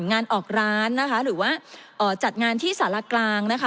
งานออกร้านนะคะหรือว่าจัดงานที่สารกลางนะคะ